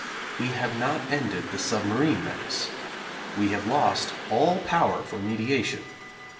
We have not ended the submarine menace. We have lost all power for mediation.